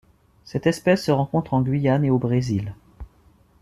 Cette espèce se rencontre en Guyane et au Brésil.